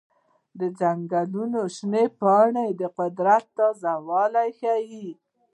د ځنګلونو شنه پاڼې د قدرت تازه والی ښيي.